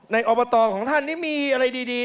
อบตของท่านนี่มีอะไรดี